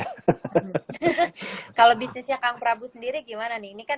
ph kali ya bikin bikin film terus juga ada gofed nah ini gimana nih bisa gaan